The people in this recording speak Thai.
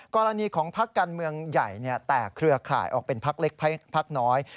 กรณีของพักการเมืองใหญ่แตกเครือข่ายออกเป็นพักเล็กพักน้อย